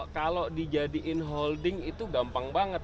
kalau dijadikan holding itu gampang banget